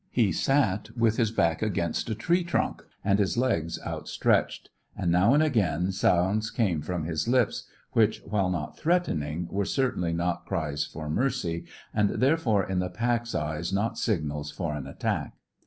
He sat with his back against a tree trunk and his legs outstretched; and now and again sounds came from his lips, which, while not threatening, were certainly not cries for mercy, and therefore in the pack's eyes not signals for an attack.